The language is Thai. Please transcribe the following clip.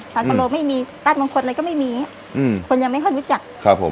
สากะโลไม่มีต้านมงคลอะไรก็ไม่มีอย่างเงี้อืมคนยังไม่ค่อยรู้จักครับผม